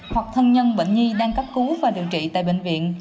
hoặc thân nhân bệnh nhi đang cấp cứu và điều trị tại bệnh viện